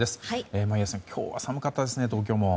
眞家さん今日は寒かったですね、東京も。